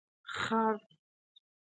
🫏 خر